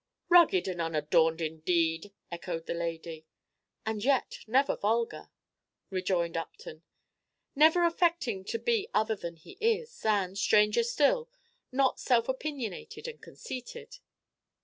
"Rugged and unadorned indeed!" echoed the lady. "And yet never vulgar," rejoined Upton, "never affecting to be other than he is; and, stranger still, not self opinionated and conceited."